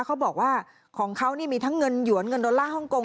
เขาบอกว่าของเขานี่มีทั้งเงินหยวนเงินดอลลาร์ฮ่องกง